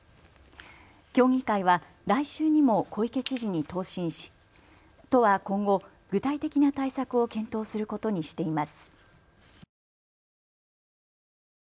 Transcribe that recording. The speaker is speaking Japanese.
協議会は来週にも小池知事に答申し都は今後、具体的な対策を検討することにしています。